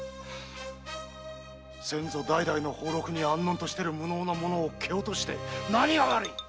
先祖代々の俸禄に安穏としている無能な者を蹴落として何が悪い！